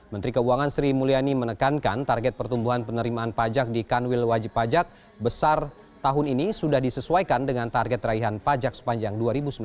menteri keuangan sri mulyani menekankan target pertumbuhan penerimaan pajak di kanwil wajib pajak besar tahun ini sudah disesuaikan dengan target raihan pajak sepanjang dua ribu sembilan belas